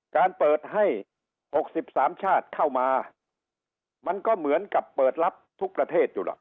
การเปิดให้๖๓ชาติเข้ามามันก็เหมือนกับเปิดรับทุกประเทศอยู่ล่ะ